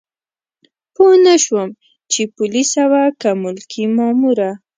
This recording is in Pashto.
پوه نه شوم چې پولیسه وه که ملکي ماموره.